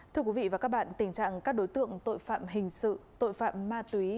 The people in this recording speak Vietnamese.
thưa quý vị và các bạn tình trạng các đối tượng tội phạm hình sự tội phạm ma túy